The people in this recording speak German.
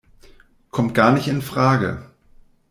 Kommt gar nicht infrage!